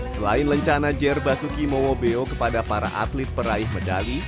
selain lencana jer basuki mowobeo kepada para atlet peraih medali